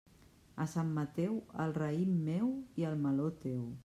A Sant Mateu, el raïm meu i el meló teu.